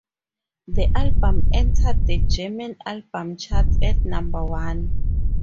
The album entered the German album charts at number one.